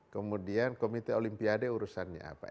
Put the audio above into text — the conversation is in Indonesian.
kemudian komite olimpiade urusannya apa